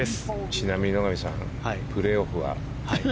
ちなみに野上さんプレーオフは。